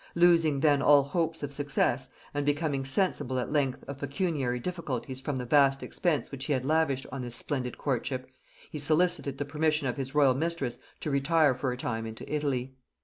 Losing then all hopes of success, and becoming sensible at length of pecuniary difficulties from the vast expense which he had lavished on this splendid courtship, he solicited the permission of his royal mistress to retire for a time into Italy.